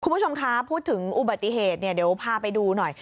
คุณผู้ชมคะพูดถึงอุบัติเหตุเนี่ยเดี๋ยวพาไปดูหน่อย